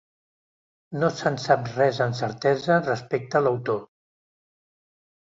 No se'n sap res amb certesa respecte a l'autor.